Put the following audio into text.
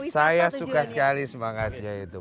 saya suka sekali semangatnya itu